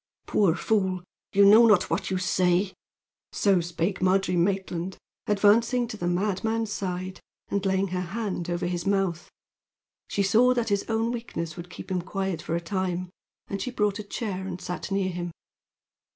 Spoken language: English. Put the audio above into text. Poor fool! You know not what you say." So spake Margery Maitland, advancing to the mad man's side, and laying her hand over his mouth. She saw that his own weakness would keep him quiet for a time; and she brought a chair and sat near him.